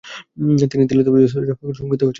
তিনি 'তিলোত্তমাসম্ভব কাব্য' সংস্কৃতে রচনা করেন।